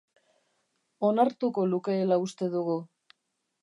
Onartuko lukeela uste dugu.